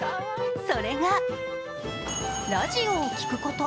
それが、ラジオを聞くこと。